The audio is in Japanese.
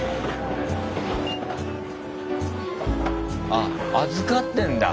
あ預かってんだ。